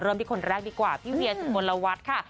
เริ่มที่คนแรกดีกว่าพี่เวียสุโมนละวัดค่ะ